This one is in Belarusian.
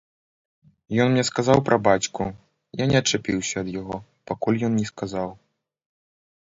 Ён мне сказаў пра бацьку, я не адчапіўся ад яго, пакуль ён не сказаў.